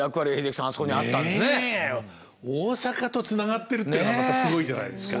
大阪とつながってるっていうのがまたすごいじゃないですか。